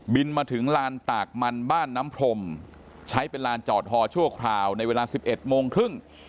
มาถึงลานตากมันบ้านน้ำพรมใช้เป็นลานจอดฮอชั่วคราวในเวลา๑๑โมงครึ่ง